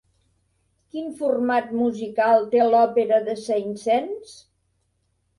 Quin format musical té l'òpera de Saint-Saëns?